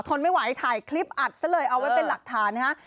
ทนไม่ไหวถ่ายคลิปอัดซะเลยเอาไว้เป็นหลักฐานนะฮะ